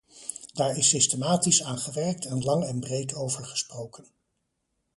Daar is systematisch aan gewerkt en lang en breed over gesproken.